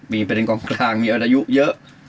มีประเด็นกองกลางมีอายุเยอะ